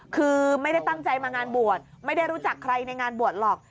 คือไม่ได้ตั้งใจมางานบวชไม่ได้รู้จักใครในงานบวชหรอก